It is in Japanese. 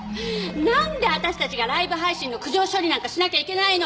なんで私たちがライブ配信の苦情処理なんかしなきゃいけないの！